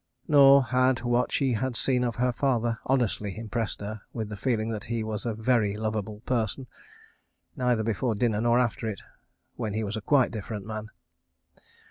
.. Nor had what she had seen of her father honestly impressed her with the feeling that he was a very lovable person. Neither before dinner nor after it—when he was quite a different man.